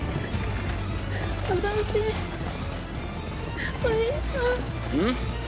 私お兄ちゃんうん？